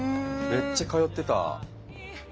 めっちゃ通ってた。